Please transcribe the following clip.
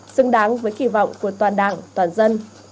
xứng đáng với kỳ vọng của toàn đảng toàn dân